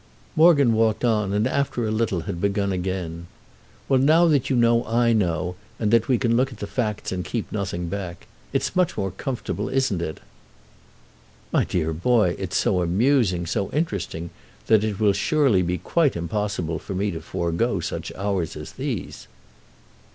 Morgan walked on and after a little had begun again: "Well, now that you know I know and that we look at the facts and keep nothing back—it's much more comfortable, isn't it?" "My dear boy, it's so amusing, so interesting, that it will surely be quite impossible for me to forego such hours as these."